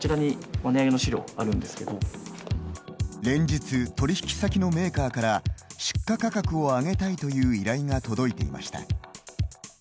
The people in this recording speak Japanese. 連日、取引先のメーカーから出荷価格を上げたいという依頼が届いていました。